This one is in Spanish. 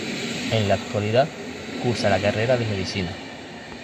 En la actualidad cursa la carrera de medicina.